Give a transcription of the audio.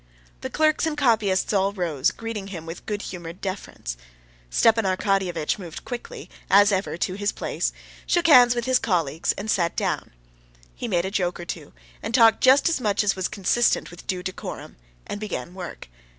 The clerks and copyists all rose, greeting him with good humored deference. Stepan Arkadyevitch moved quickly, as ever, to his place, shook hands with his colleagues, and sat down. He made a joke or two, and talked just as much as was consistent with due decorum, and began work.